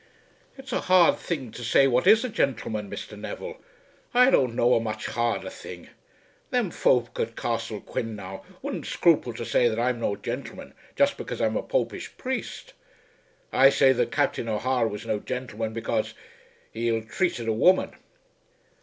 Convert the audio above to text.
"It's a hard thing to say what is a gentleman, Mr. Neville. I don't know a much harder thing. Them folk at Castle Quin, now, wouldn't scruple to say that I'm no gentleman, just because I'm a Popish priest. I say that Captain O'Hara was no gentleman because he ill treated a woman."